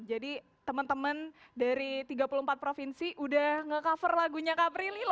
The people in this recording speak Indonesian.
jadi teman teman dari tiga puluh empat provinsi udah nge cover lagunya kak prilly loh